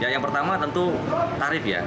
yang pertama tentu tarif ya